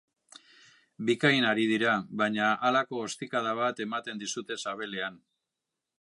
Bikain ari dira, baina halako ostikada bat ematen dizute sabelean...